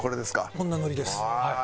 こんなノリですはい。